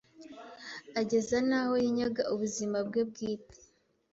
ageza n’aho yinyaga ubuzima bwe bwite.